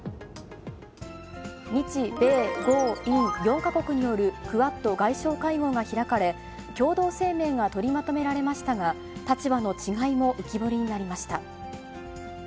日米豪印、４か国によるクアッド外相会合が開かれ、共同声明が取りまとめられましたが、立場の違いも浮き彫りになりました。